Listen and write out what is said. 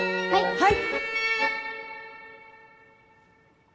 はい！